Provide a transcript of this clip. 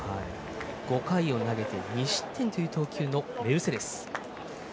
５回を投げて２失点という投球のメルセデス。